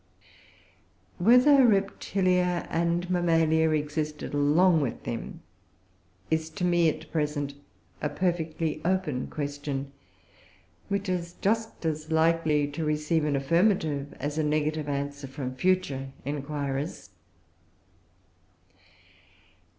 Whether Reptilia and Mammalia existed along with them is to me, at present, a perfectly open question, which is just as likely to receive an affirmative as a negative answer from future inquirers.